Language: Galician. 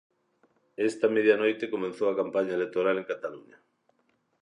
Esta medianoite comezou a campaña electoral en Cataluña.